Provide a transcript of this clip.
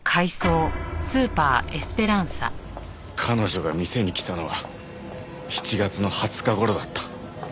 彼女が店に来たのは７月の２０日頃だった。